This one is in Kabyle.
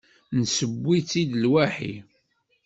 Nesseww-itt-id lwaḥi.